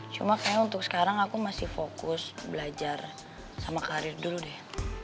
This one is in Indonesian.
cuma kayaknya untuk sekarang aku masih fokus belajar sama karir dulu deh